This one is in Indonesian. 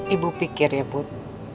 ibu pikir ya put